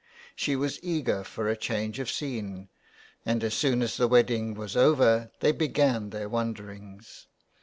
'' She was eager for a change of scene, and as soon as the wedding was over they began their wanderings.